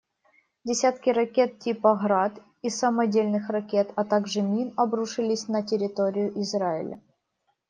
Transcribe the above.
Десятки ракет типа «Град» и самодельных ракет, а также мин обрушились на территорию Израиля.